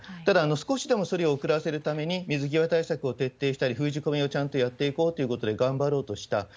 ただ、少しでもそれを遅らせるために、水際対策を徹底したり、封じ込めをちゃんとやっていこうということで頑張ろうとした。